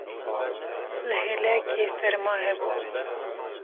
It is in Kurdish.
li hêlekê serma hebû